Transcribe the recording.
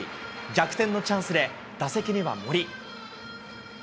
逆転のチャンスで打席には森。